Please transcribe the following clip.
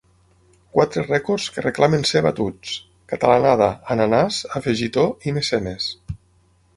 Quatre rècords que reclamen ser batuts: catalanada, ananàs, afegitó i mecenes.